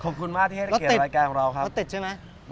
ขอบคุณมากที่ให้เกียรติรายการของเราครับเขาติดใช่ไหม